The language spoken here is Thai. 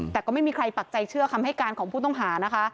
แต่ก็ไม่มีใครปักใจเชื่อคำให้การของผู้ต้องหานะคะ